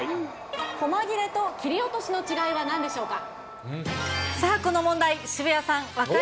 こま切れと切り落としの違いはなんでしょうか。